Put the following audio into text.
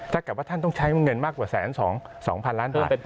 ถ้าเกิดว่าท่านต้องใช้เงินมากกว่า๑แสน๒พัน๖ร้อยล้านบาท